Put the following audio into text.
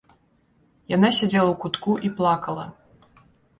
Яна сядзела ў кутку і плакала.